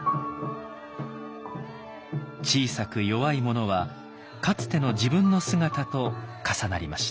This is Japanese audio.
小さく弱い者はかつての自分の姿と重なりました。